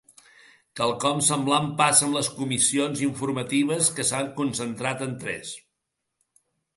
Quelcom semblant passa amb les comission informatives que s’han concentrat en tres.